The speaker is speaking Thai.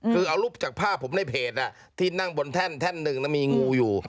คือเอารูปจากภาพผมในเพจที่นั่งบนแท่นแท่นหนึ่งมีงูอยู่